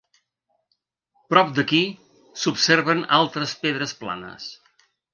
Prop d'aquí s'observen altres pedres planes.